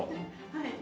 はい。